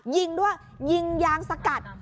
ยิงด้วยยิงยางสกัด